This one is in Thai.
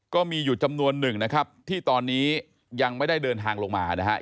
ก็มีอยู่จำนวนหนึ่งนะครับที่ตอนนี้ยังไม่ได้เดินทางลงมานะครับ